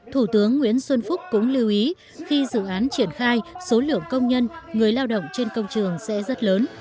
thủ tướng nguyễn xuân phúc cũng lưu ý khi dự án triển khai số lượng công nhân người lao động trên công trường sẽ rất lớn